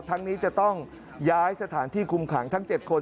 นี้จะต้องย้ายสถานที่คุมขังทั้ง๗คน